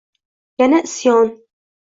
Yana isyon